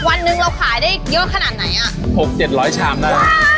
วันหนึ่งเราขายได้เยอะขนาดไหนอ่ะหกเจ็ดร้อยชามได้